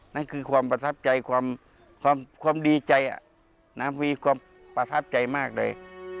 นั่นคือความประทับใจความดีใจมีความประทับใจมากเลย